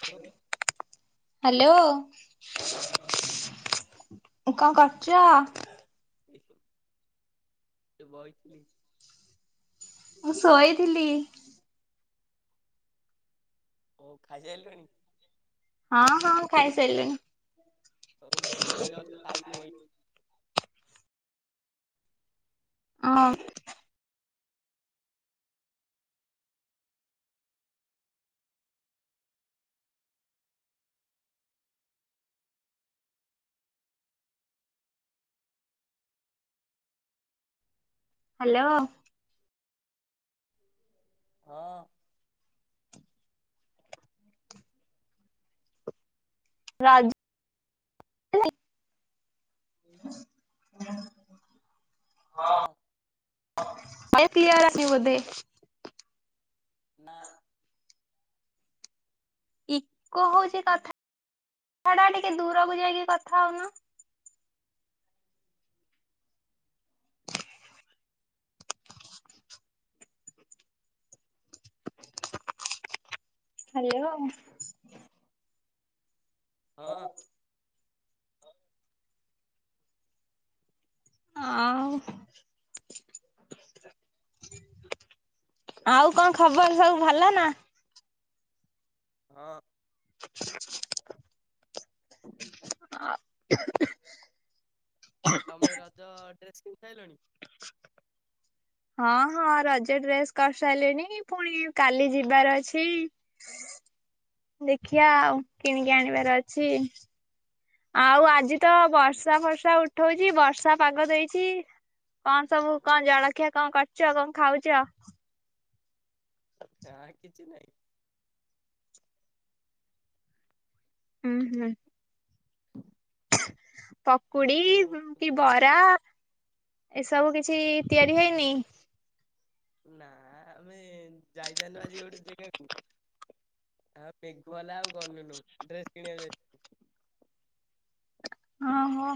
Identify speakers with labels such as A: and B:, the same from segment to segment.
A: [unintelligible]
B: Hello.
A: ହଁ।
B: କଣ କରୁଚ?
A: ଏଇ ବଇଥିଲି।
B: ମୁଁ ଶୋଇଥିଲି।
A: ଓ ଖାଈସାଇଲଣି?
B: ହଁ ହଁ ମୁଁ ଖାଇସାଇଲିଣି।
A: ହଉ ମୁଁ ଏବେ ଜଷ୍ଟ୍ ଖାଇକି ବଇ
B: [unintelligible] ହାଲୋ।
A: ହଁ।
B: ରାଜି [unintelligible] [inaudible] ହଁ ଭାଇ କ୍ଲିଅର୍ ଆସିବ ବୋଧେ?
A: ନା।
B: ଇକୋ ହଉଚି କଥା ଟା ଟିକେ ଦୂରକୁ ଯାଇକି କଥା ହଉନ। ହାଲୋ।
A: ହଁ।
B: ଆଉ ଆଉ କଣ ଖବର ସବୁ ଭଲ ନା?
A: ହଁ।
B: [unintelligible]
A: ତ ତମେ ରଜ ଡ୍ରେସ୍ କିଣି ସାଇଲଣି?
B: ହଁ-ହଁ ରଜ ଡ୍ରେସ୍ କରିସାରିଲିଣି ପୁଣି କାଲି ଯିବାର ଅଛି। ଦେଖିଆ ଆଉ କିଣିକି ଆଣିବାର ଅଛି। ଆଉ ଆଜି ତ ବର୍ଷା ଫର୍ଷା ଉଠଉଚି ବର୍ଷା ପାଗ ଦେଇଚି। କଣ ସବୁ କଣ ଜଳଖିଆ କଣ କରୁଚ ଆଉ କଣ ଖାଉଚ?
A: ନା କିଛି ନାଇଁ।
B: ହୁଁ-ହୁଁ। ପକୁଡ଼ି
A: ମୁଁ
B: କି ବରା ଏସବୁ କିଛି ତିଆରି ହେଇନି।
A: ନା ଆମେ ଯାଇଥାଲୁ ଆଜି ଗୋଟେ ଜେଗାକୁ ଆଉ [unintelligible] ଆଉ ଗଲୁନୁ ଡ୍ରେସ୍ କିଣିବାକୁ।
B: ହଁ ହୋ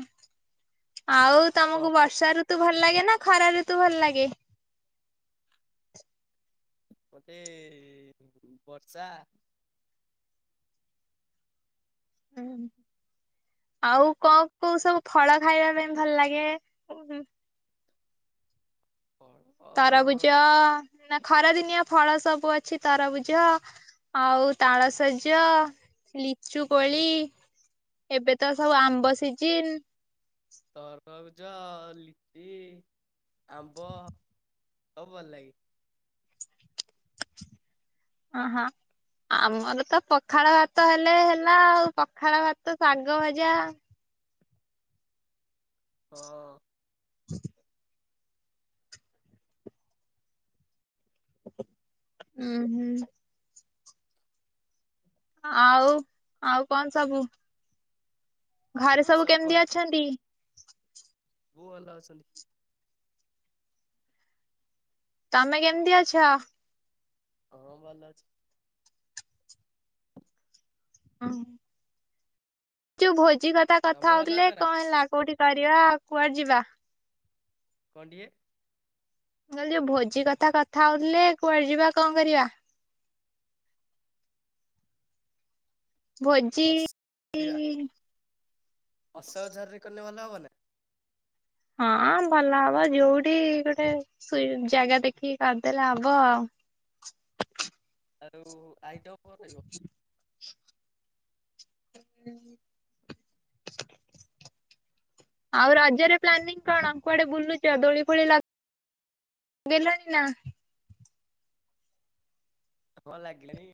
B: ଆଉ ତମକୁ
A: ପ୍ରବ
B: ବର୍ଷା ରୁ ତୁ ଭଲ ଲାଗେ ନା ଖରା ଋତୁ ଭଲ ଲାଗେ?
A: ମତେ ବର୍ଷା
B: [unintelligible] ଆଉ କ କୋଉ ସବୁ ଫଳ ଖାଇବା ପାଇଁ ଭଲ ଲାଗେ?
A: [unintelligible]
B: ତରଭୁଜ ନା ଖରାଦିନିଆ ଫଳ ସବୁ ଅଛି ତରଭୁଜ ଆଉ ତାଳସଜ ଲିଚୁ କୋଳି ଏବେ ତ ସବୁ ଆମ୍ବ ସିଜିନ୍।
A: ତରଭୁଜ, ଲିଚି, ଆମ୍ବ ସବୁ ଭଲ ଲାଗେ।
B: ଅ ହଁ। ଆମର ତ ପଖାଳ ଭାତ ହେଲେ ହେଲା ଆଉ ପଖାଳ ଭାତ, ଶାଗ ଭଜା
A: ହଁ।
B: ହ ହୁଁ-ହୁଁ। ଆଉ-ଆଉ କଣ ସବୁ ଘରେ ସବୁ କେମ୍ତି ଅଛନ୍ତି?
A: ବୋ ଭଲ ଅଛନ୍ତି।
B: ତମେ କେମ୍ତି ଅଛ?
A: ହଁ ଭଲ ଅଛି।
B: [inaudible] ଯଉ ଭୋଜି କଥା- କଥା
A: ତମେ ଭଲ
B: ହଉଥିଲେ
A: ଅଛ ନା
B: କଣ ହେଲା କଉଠି କରିବା ଆଉ କୁଆଡେ ଯିବା?
A: କଣ୍ ଟିକେ
B: ମୁଁ କହିଲି ଯଉ ଭୋଜି କଥା- କଥା ହଉଥିଲେ କୁଆଡେ ଯିବା କଣ କରିବା? ଭୋଜି
A: ଅସ ଅଶୋକଝର୍ ରେ କଲେ ଭଲ ହବନା?
B: ହଁ ଭଲ ହବ ଯଉଠି ଗୋଟେ ଜାଗା ଦେଖିକି କରିଦେଲେ ହବ ଆଉ।
A: ଆଉ ଆଇଟମ୍ [unintelligible]
B: ହ ଆଉ ରଜରେ ପ୍ଲାନିଂ କଣ କୁଆଡେ ବୁଲୁଚ ଦୋଳି ଫୋଳି ଲ ଦେଲଣି ନା?
A: [unintelligible] ଲାଗିଲାଣି।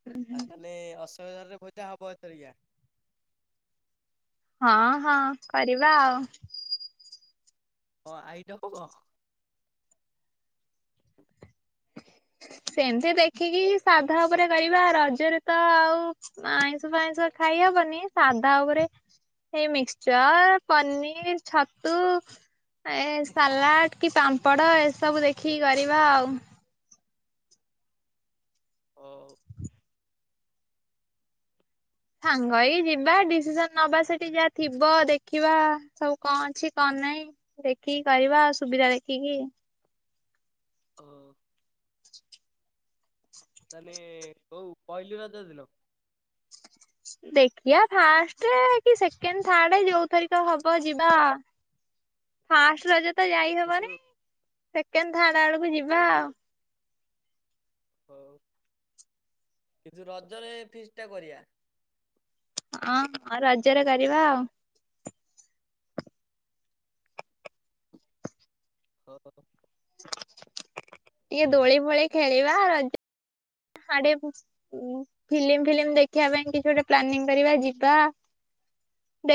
B: ହୁଁ।
A: ଆଉ ତାହେଲେ ଅଶୋକଝର୍ ରେ ଭୋଜିଟା ହେବ ଏଥରିକା।
B: ହଁ -ହଁ କରିବା ଆଉ।
A: କ- ଆଇଟମ କଁ? ହ
B: ସେମିତି ଦେଖିକି ସାଧା ଉପରେ କରିବା ରଜରେ ତ ଆଉ ଆଇଁଷ ଫାଇଁଷ ଖାଇହବନି ସାଧା ଉପରେ ହେଇ ମିକ୍ସଚର୍, ପନିର୍, ଛତୁ ଏ ସାଲାଡ୍ କି ପାମ୍ପଡ ଏସବୁ ଦେଖିକି କରିବା ଆଉ।
A: ଅଉ।
B: ସାଙ୍ଗ ହେଇକି ଯିବା ଡିସିସନ୍ ନବା ସେଠି ଯାହା ଥିବ ଦେଖିବା ସବୁ କଣ ଅଛି କଣ ନାହିଁ। ଦେଖିକି କରିବା ସୁବିଧା ଦେଖିକି।
A: ହଁ। ତାନେ କଉ ପହିଲି ରଜ ଦିନ?
B: ଦେଖିବା ଫାଷ୍ଟେ କି ସେକେଣ୍ଡ୍ ଥାର୍ଡରେ ଯଉଥରିକ ହବ ଯିବା। ଫାଷ୍ଟ୍ ରଜ ତ ଯାଇ
A: କିନ୍ତୁ
B: ହବନି ସେକେଣ୍ଡ୍, ଥାର୍ଡ୍ ଆଡକୁ ଯିବା ଆଉ।
A: ହଉ କିନ୍ତୁ ରଜରେ ଫିଷ୍ଟ୍ ଟା କରିବା।
B: ହଁ ରଜରେ କରିବା ଆଉ।
A: [unintelligible]
B: ଟିକେ ଦୋଳି ଫୋଳି ଖେଳିବା ରଜ ହାଡେ ଉଁ- ଫିଲ୍ମି- ଫିଲ୍ମି ଦେଖିବା ପାଇଁ କିଛି ଗୋଟେ ପ୍ଲାନିଂ କରିବା ଯିବା।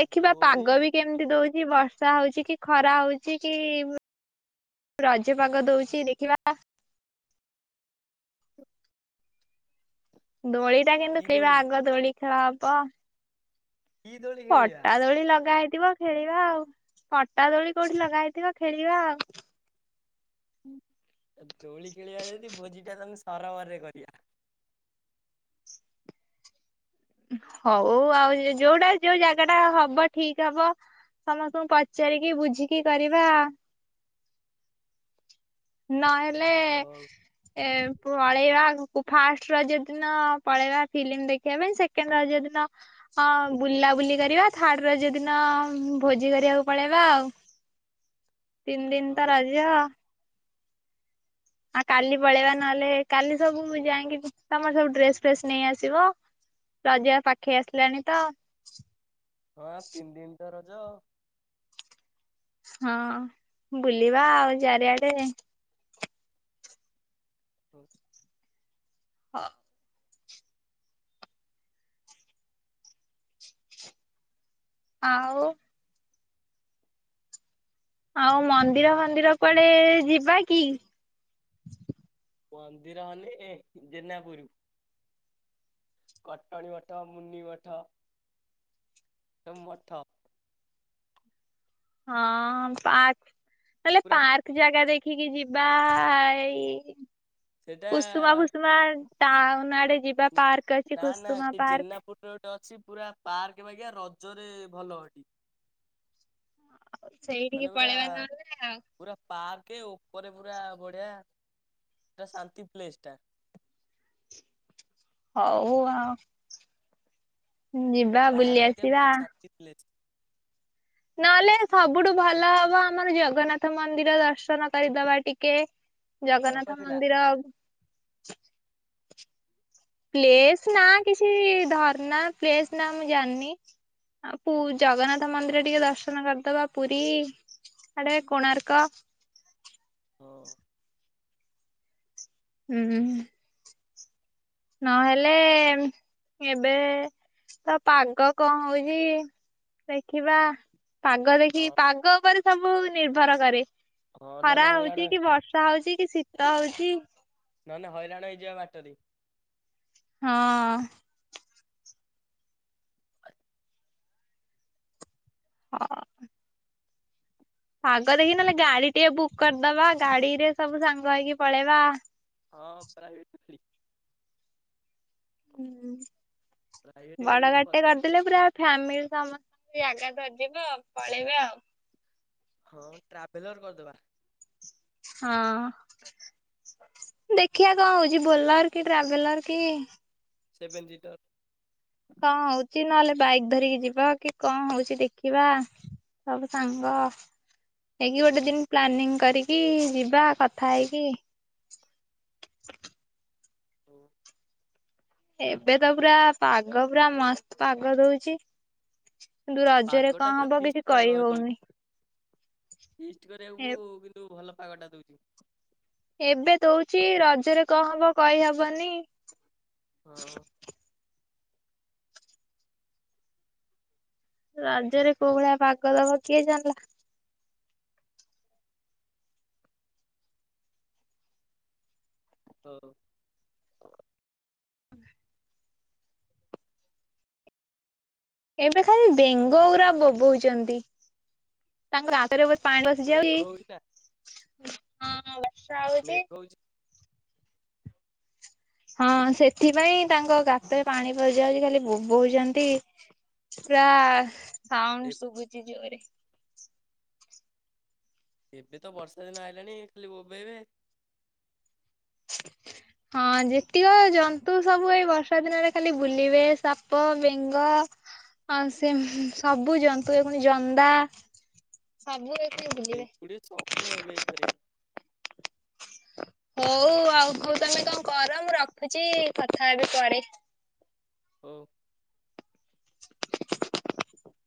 A: ଆଉ ଦୋଳି
B: ପାଗ ବି କେମିତି ଦଉଚି ବର୍ଷା ହଉଚି କି ଖରା ହଉଚି କି ରଜ ପାଗ ଦଉଚି ଦେଖିବା। ଦୋଳି ଟା କିନ୍ତୁ
A: କି
B: ଖେଳିବା
A: ଦୋଳି
B: ଆଗ ଦୋଳି ଖେଳ ହବ।
A: କି ଦୋଳି ଖେଳିବା
B: ପଟା ଦୋଳି ଲଗା ହେଇଥିବ ଖେଳିବା ଆଉ ପଟା ଦୋଳି କଉଠି ଲଗା ହେଇଥିବ ଖେଳିବା ଆଉ।
A: ଦୋଳି ଖେଳିବା ଯଦି ଭୋଜି ଟା ତାହାଲେ ସରୋବରରେ କରିବା।
B: ହଉ ଆଉ ଯଉଟା ଯଉ ଜାଗା ଟା ହବ ଠିକ୍ ହବ ସମସ୍ତଙ୍କୁ ପଚାରିକି ବୁଝିକି କରିବା। ନହେଲେ
A: ହଉ
B: ଏ ପଳେଇବା ଫାଷ୍ଟ୍ ରଜ ଦିନ ପଳେଇବା ଫିଲ୍ମ୍ ଦେଖିବା ପାଇଁ ସେକେଣ୍ଡ୍ ରଜ ଦିନ ହଁ ବୁଲା ବୁଲି କରିବା ଥାର୍ଡ୍ ରଜ ଦିନ ଭୋଜି କରିବାକୁ ପଳେଇବା ଆଉ। ତିନ ଦିନ୍ ତ
A: ହଁ
B: ରଜ। ଅଁ ଆଉ କାଲି ପଳେଇବା ନହେଲେ କାଲି ସବୁ ମୁଁ ଯାଇକି ତମର ସବୁ ଡ୍ରେସ ଫ୍ରେସ ନେଇ ଆସିବ। ରଜା ପାଖେଇ ଆସିଲାଣି ତ।
A: ହଁ ବା ତିନ୍ ଦିନ୍ ତ ରଜ।
B: ହଁ ବୁଲିବା ଆଉ ଚାରିଆଡେ।
A: ହଉ।
B: ହ। ଆଉ? ଆଉ ମନ୍ଦିର ଫନ୍ଦିର କୁଆଡେ ଯିବା କି?
A: ମନ୍ଦିର ହଲେ ଏ ଜେନାପୁରୁ। କଟଣି ମଠ ମୁନି ମଠ ନମଠ।
B: ହଁ ପାର୍ ନହେଲେ
A: ପୁରା
B: ପାର ର୍କ ଜାଗା ଦେଖିକି ଯିବା ଏଇ
A: ସେଟା
B: କୁସୁମା ଫୁସୁମା ଟାଉନ୍ ଆଡେ ଯିବା ପାର୍କ ଅଛି କୁସୁମା ପାର୍କ।
A: କୋଉଠି ଗୋଟେ ଅଛି ପୁରା ପାର୍କ ବାଗିଆ ରଜରେ ଭଲ ହେଟୀ।
B: ଆଉ
A: ମାନେ
B: ସେଇଠିକି
A: ପୁରା
B: ପଳେଇବା ନହେଲେ ଆଉ।
A: ପୁରା ପାର୍କେ ଉପରେ ପୁରା ବଢିଆ ଶାନ୍ତି ପ୍ଲେସ୍ ଟା।
B: ହଉ ଆଉ।
A: ପୁରା
B: ଯିବା ବୁଲି
A: ପାହାଡ ଏରିଆ
B: ଆସିବା।
A: ପୁରା ଶାନ୍ତି ପ୍ଲେସ୍।
B: ନହେଲେ ସବୁଠୁ ଭଲ ହବ ଆମର ଜଗନ୍ନାଥ ମନ୍ଦିର ଦର୍ଶନ କରିଦବା ଟିକେ।
A: ହଁ
B: ଜଗନ୍ନାଥ
A: କଟିଲା
B: ମନ୍ଦିର ପ୍ଲେସ୍ ନା କିଛି ଧରନା ପ୍ଲେସ୍ ନା ମୁଁ ଜାଣିନି। ଆଉ ପୁ-ଜଗନ୍ନାଥ ମନ୍ଦିର ଟିକେ ଦର୍ଶନ କରିଦବା ପୁରୀ ଆଡେ କୋଣାର୍କ
A: ହଁ।
B: ହୁଁ ହୁଁ ହୁଁ। ନହେଲେ ଏବେ ତ ପାଗ କଁ ହଉଚି ଦେଖିବା ପାଗ ଦେଖି
A: ହଁ
B: ପାଗ ଉପରେ ସବୁ ନିର୍ଭର କରେ।
A: ହଁ ନହେଲେ
B: ଖରା ହଉଚି
A: ହଇରାଣ
B: କି ବର୍ଷା ହଉଚି କି ଶୀତ ହଉଚି।
A: ନହ ନେ ହଇରାଣ ହେଇଯିବା ବାଟରେ।
B: ହଁ।
A: [inaudible]
B: ହ। ପାଗ ଦେଖି ନହେଲେ ଗାଡି ଟିକେ ବୁକ୍ କରିଦବା ଗାଡିରେ ସବୁ ସାଙ୍ଗ ହେଇକି ପଳେଇବା।
A: ହଁ ପ୍ରାଇଭେଟ୍ [inaudible]
B: ହୁଁ
A: ପ୍ରାଇଭେଟ ଗାଡି
B: ବଡ଼
A: ଗୋଟେ
B: ଗାଡ୍ ଟେ
A: କରିଦବା
B: କର ଦେଲେ ପୁରା ଫ୍ୟାମିଲି ସମସ୍ତ ଜାଗା ଧରିିଯିବ ପଳେଇବା ଆଉ।
A: ହଉ ଟ୍ରାଭେଲର କର୍ ଦବା।
B: ହଁ ଦେଖିବା କଣ ହଉଚି ବୋଲ ର୍ କି ଟ୍ରାଭେଲର କି
A: ସେଭେନ ଜିଟର।
B: କଣ ହଉଚି ନହେଲେ ବାଇକ୍ ଧରିକି ଯିବା କି କଣ ହଉଚି ଦେଖିବା। ସବୁ ସାଙ୍ଗ ହେଇକି ଗୋଟେ ଦିନ ପ୍ଲାନିଂ କରିକି ଯିବା କଥା ହେଇକି।
A: ହଉ।
B: ଏବେ ତ ପୁରା ପାଗ ପୁରା ମସ୍ତ ପାଗ ଦଉଛି। କିନ୍ତୁ ରଜରେ
A: ପାଗଟା
B: କଣ
A: ପୁରା
B: ହବ
A: ଫିଷ୍ଟ
B: କିଛି କହିହଉନି।
A: ଫିଷ୍ଟ୍ କରିବାକୁ କିନ୍ତୁ ଭଲ ପାଗଟା ଦେଉଛି।
B: ଏବେ ଦଉଛି ରଜରେ କଣ ହବ କହିହବନି,
A: ହଁ।
B: ରଜରେ କୋଉ ଭଳିଆ ପାଗ ଦବ କିଏ ଜାଣିଲା।
A: ହଉ
B: ଏବେ ଖାଲି ବେଙ୍ଗଉରା ବୋ ବୋଉଛନ୍ତି। ତାଙ୍କୁ ରାତିରେ ବୋଧେ ପାଣି ପସି
A: ମେଘ
B: ଯାଉଛି,
A: ହଉଛି ନା
B: ହଁ ବର୍ଷା ହଉଛି ହଁ ସେଥିପାଇଁ ତାଙ୍କ ଗାତରେ ପାଣି ପଶିଯାଉଛି ଖାଲି ବୋବଉଛନ୍ତି ପୁରା ସାଉଣ୍ଡ
A: ଏ-
B: ଶୁଭୁଛିି ଜୋରେ।
A: ଏବେ ତ ବର୍ଷା ଦିନ ଆଇଲାଣି ଖାଲି ଭୋବେଇବେ
B: [inaudible] ହଁ ଯେତିକ ଜନ୍ତୁ ସବୁ ଏଇ ବର୍ଷା ଦିନରେ ଖାଲି ବୁଲିବେ ସାପ, ବେଙ୍ଗ ଆଉ ସେ ସବୁ ଜନ୍ତୁ ଏଇ ଖୁନି ଜନ୍ଦା ସବୁ ଏଇଠି ବୁଲିବେ
A: ଏପଟେ ସବୁ [unintelligible]
B: ହଉ ଆଉ ହଉ ତମେ କଣ କର ମୁଁ ରଖୁଛି କଥା ହେବି ପରେ।
A: ହଉ
B: [inaudible]